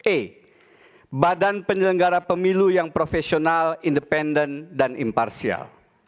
e badan penyelenggara pemilu yang profesional independen dan imparsial